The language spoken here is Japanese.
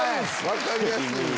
分かりやすい。